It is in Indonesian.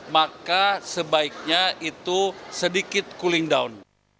maka sebaiknya itu sedikit cooling down